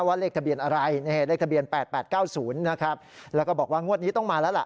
เลขทะเบียนอะไรเลขทะเบียน๘๘๙๐นะครับแล้วก็บอกว่างวดนี้ต้องมาแล้วล่ะ